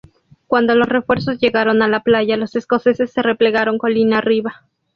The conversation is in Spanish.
Cuando los refuerzos llegaron a la playa, los escoceses se replegaron colina arriba.